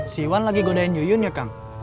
si wan lagi godain nyuyun ya kang